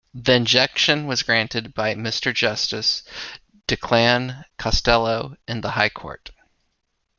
The injunction was granted by Mr Justice Declan Costello in the High Court.